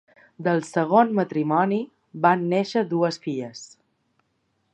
Del segon matrimoni van néixer dues filles.